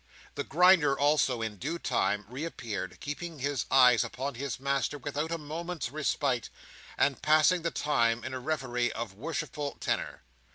The Grinder also, in due time reappeared, keeping his eyes upon his master without a moment's respite, and passing the time in a reverie of worshipful tenor.